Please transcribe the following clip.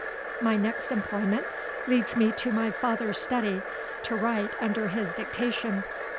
My next employment leads me to my father's study, to write under his dictation.